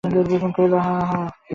ওর girlfriend আছে।